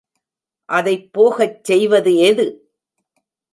அதைப் போகச் செய்வது எது?